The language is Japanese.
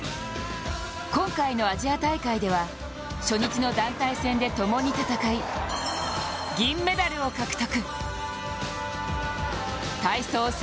今回のアジア大会では初日の団体戦でともに戦い銀メダルを獲得。